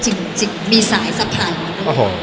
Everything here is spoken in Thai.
จริงจริงจริงมีสายสะพายมาด้วย